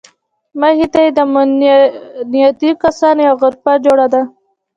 مخې ته یې د امنیتي کسانو یوه غرفه جوړه ده.